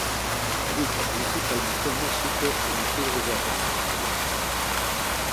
Habita principalmente en México e no sur de Guatemala.